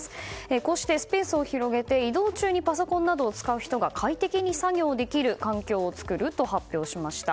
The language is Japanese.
こうしてスペースを広げて移動中に快適に作業できる環境を作ると発表しました。